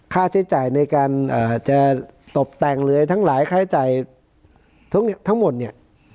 ค่าใช้จ่ายในการจะตบแต่งหรือทั้งหลายค่าใช้จ่ายทั้งหมดเนี่ย